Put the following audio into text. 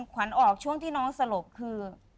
ขวัญออกช่วงที่น้องสลบคือ